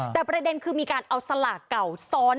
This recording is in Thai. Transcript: แต่ประเด็นคือมีการเอาสลากเก่าซ้อน